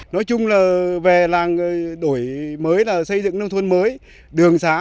nói chung là về làng đổi mới là xây dựng nông thôn mới đường xá